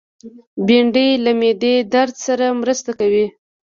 بېنډۍ له معدې درد سره مرسته کوي